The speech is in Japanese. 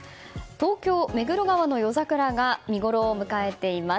東京・目黒川の夜桜が見ごろを迎えています。